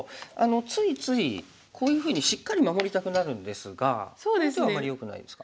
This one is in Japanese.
ついついこういうふうにしっかり守りたくなるんですがこの手はあんまりよくないですか？